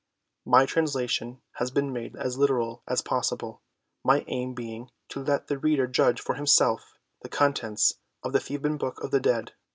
My translation has been made as literal as possible, my aim being to let the reader judge for himself the contents of the Theban Book of the Dead.